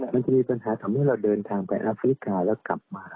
มันจะมีปัญหาทำให้เราเดินทางไปแอฟริกาแล้วกลับมา